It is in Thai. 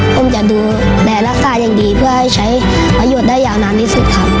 คงจะดูแลรักษาอย่างดีเพื่อให้ใช้ประโยชน์ได้ยาวนานที่สุดครับ